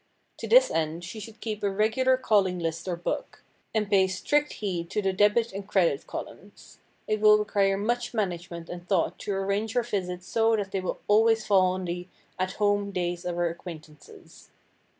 To this end she should keep a regular calling list or book, and pay strict heed to the debit and credit columns. It will require much management and thought to arrange her visits so that they will always fall on the "At Home" days of her acquaintances.